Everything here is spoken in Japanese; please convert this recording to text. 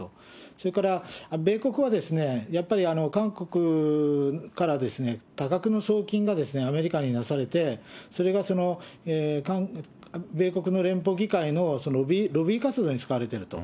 それから、米国は、やっぱり韓国から多額の送金がアメリカになされて、それが米国の連邦議会のロビー活動に使われていると。